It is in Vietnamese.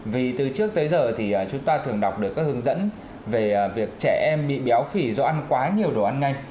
vì từ trước tới giờ thì chúng ta thường đọc được các hướng dẫn về việc trẻ em bị béo phì do ăn quá nhiều đồ ăn nhanh